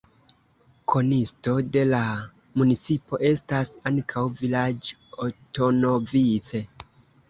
Konisto de la municipo estas ankaŭ vilaĝo Otonovice.